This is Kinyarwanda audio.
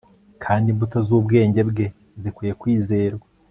kandi imbuto z'ubwenge bwe zikwiye kwizerwa